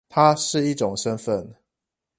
它是一種身分